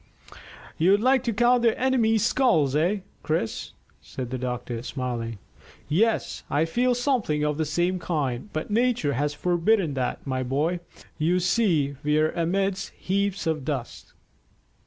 "You'd like to count their enemies' skulls, eh, Chris?" said the doctor, smiling. "Yes, I feel something of the same kind; but nature has forbidden that, my boy. You see we are amidst heaps of dust."